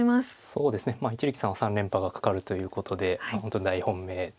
そうですね一力さんは３連覇が懸かるということで本当に大本命で。